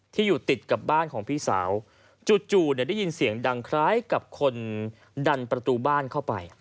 อยู่ติดกับบ้านของพี่สาวจู่ได้ยินเสียงดังคล้ายกับคนดันประตูบ้านเข้าไป